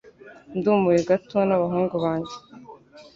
Ndumiwe gato nabahungu banjye.